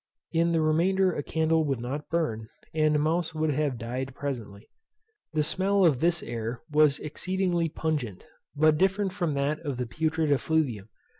In the remainder a candle would not burn, and a mouse would have died presently. The smell of this air was exceedingly pungent, but different from that of the putrid effluvium.